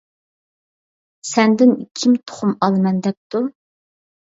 -سەندىن كىم تۇخۇم ئالىمەن دەپتۇ؟ .